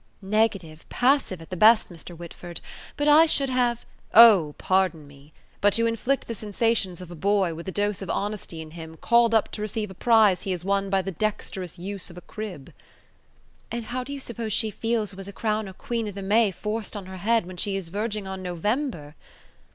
"Negative, passive, at the best, Mr. Whitford. But I should have ..." "Oh! pardon me. But you inflict the sensations of a boy, with a dose of honesty in him, called up to receive a prize he has won by the dexterous use of a crib." "And how do you suppose she feels who has a crown of Queen o' the May forced on her head when she is verging on November?"